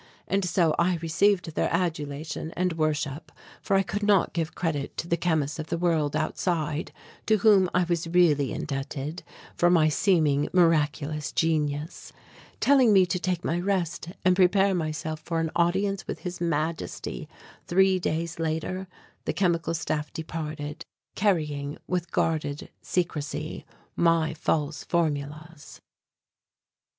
And so I received their adulation and worship, for I could not give credit to the chemists of the world outside to whom I was really indebted for my seeming miraculous genius. Telling me to take my rest and prepare myself for an audience with His Majesty three days later, the Chemical Staff departed, carrying, with guarded secrecy, my false formulas.